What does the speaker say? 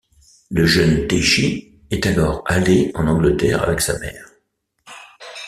Le jeune Taichi est alors allé en Angleterre avec sa mère.